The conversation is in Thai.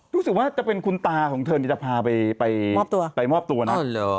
รู้สึกว่าจะเป็นคุณตาของเธอนี่จะพาไปมอบตัวไปมอบตัวนะ